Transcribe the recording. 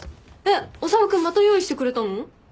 修君また用意してくれたの？